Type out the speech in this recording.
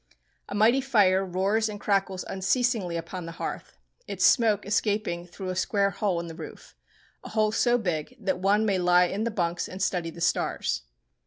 A mighty fire roars and crackles unceasingly upon the hearth, its smoke escaping through a square hole in the roof—a hole so big that one may lie in the bunks and study the stars.